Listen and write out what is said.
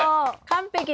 完璧。